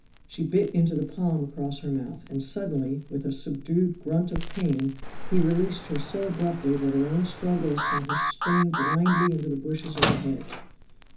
She bit into the palm across her mouth and suddenly, with a subdued grunt of pain, he released her so abruptly that her own struggles sent her spinning blindly into the bushes of the hedge.